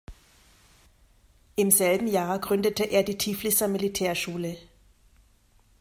Im selben Jahr gründete er die "Tifliser Militärschule".